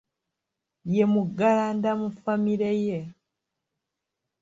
Ye muggalanda mu famire ye